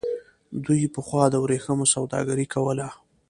دوی پخوا د ورېښمو سوداګري کوله.